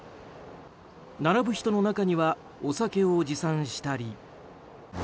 並ぶ人の中にはお酒を持参したり。